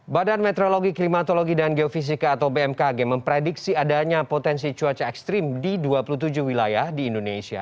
badan meteorologi klimatologi dan geofisika atau bmkg memprediksi adanya potensi cuaca ekstrim di dua puluh tujuh wilayah di indonesia